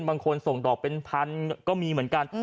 บางคนส่งดอกเป็นพันก็มีเหมือนกัน